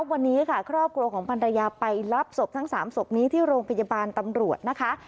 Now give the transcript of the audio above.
วันนี้ค่ะครอบครัวของพันรยาไปรับศพทั้ง๓ศพนี้ที่โรงพยาบาลตำรวจนะคะ